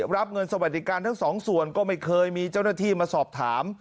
รับเงินสวัสดิการทั้งสองส่วนก็ไม่เคยมีเจ้าหน้าที่มาสอบถาม